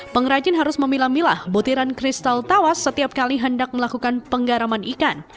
pengrajin harus memilah milah butiran kristal tawas setiap kali hendak melakukan penggaraman ikan